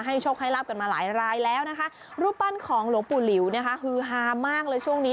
โชคให้ลาบกันมาหลายรายแล้วนะคะรูปปั้นของหลวงปู่หลิวนะคะฮือฮามากเลยช่วงนี้